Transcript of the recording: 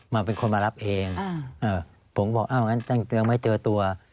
มาเป็นคนมารับเองผมบอกอ้าวงั้นยังไม่เจอตัว